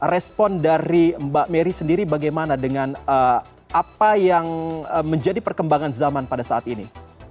respon dari mbak merry sendiri bagaimana dengan apa yang menjadi perkembangan zaman pada saat ini